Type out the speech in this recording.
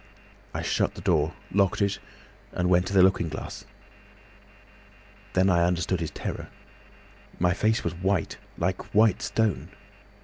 I shut the door, locked it, and went to the looking glass. Then I understood his terror.... My face was white—like white stone.